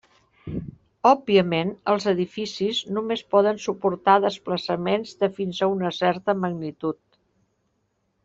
Òbviament, els edificis només poden suportar desplaçaments de fins a una certa magnitud.